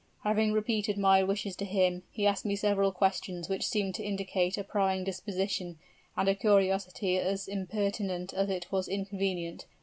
Having repeated my wishes to him, he asked me several questions which seemed to indicate a prying disposition, and a curiosity as impertinent as it was inconvenient.